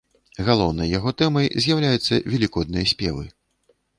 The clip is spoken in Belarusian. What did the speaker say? Галоўнай яго тэмай з'яўляюцца велікодныя спевы.